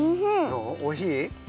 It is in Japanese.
おいしい？